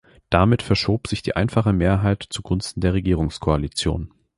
Damit verschob sich die einfache Mehrheit zugunsten der Regierungskoalition.